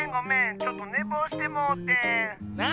ちょっとねぼうしてもうてん。